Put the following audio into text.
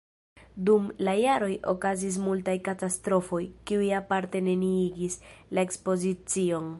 Dum la jaroj okazis multaj katastrofoj, kiuj parte neniigis la ekspozicion.